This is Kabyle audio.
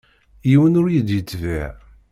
Yiwen ur yi-d-yetbiɛ.